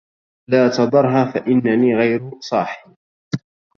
لا تدرها فإنني غير صاح